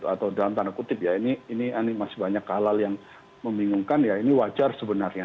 atau dalam tanda kutip ya ini masih banyak halal yang membingungkan ya ini wajar sebenarnya